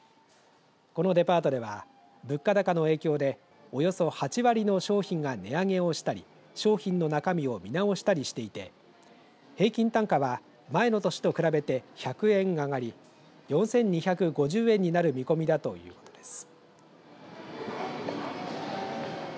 このデパートでは物価高の影響でおよそ８割の商品が値上げをしたり商品の中身を見直したりしていて平均単価は前の年と比べて１００円上がり４２５０円になる見込みだということです。